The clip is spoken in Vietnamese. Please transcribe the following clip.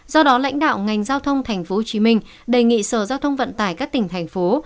do đó lãnh đạo ngành giao thông tp hcm đề nghị sở giao thông vận tải các tỉnh thành phố